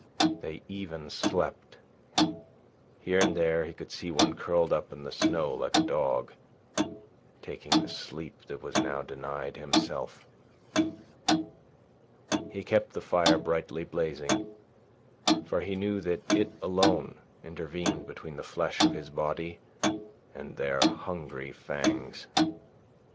They even slept. Here and there he could see one curled up in the snow like a dog, taking the sleep that was now denied himself. He kept the fire brightly blazing, for he knew that it alone intervened between the flesh of his body and their hungry fangs.